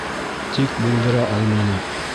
Тик булдыра алманы.